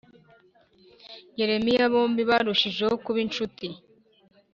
Yeremiya bombi barushijeho kuba inshuti